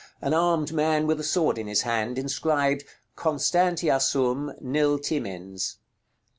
An armed man with a sword in his hand, inscribed, "CONSTANTIA SUM, NIL TIMENS."